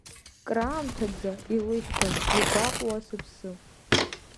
Краамҭаӡа илышьҭан игәаҟуа сыԥсы…